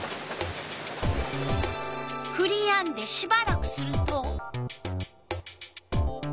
ふりやんでしばらくすると。